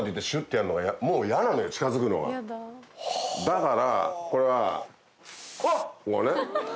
だからこれはこうね。